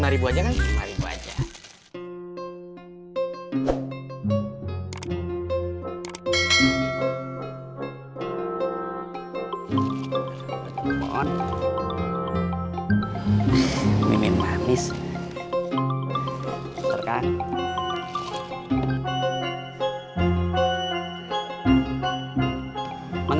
lima aja kang